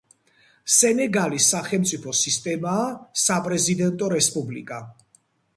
სენეგალის სახელმწიფო სისტემაა საპრეზიდენტო რესპუბლიკა.